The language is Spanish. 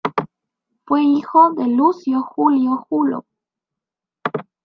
Fue hijo de Lucio Julio Julo.